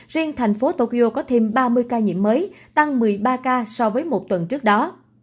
riêng thành phố tokyo có thêm ba mươi ca nhiễm mới tăng một mươi ba ca so với một tuần trước đó